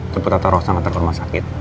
tepuk tata rosan antar rumah sakit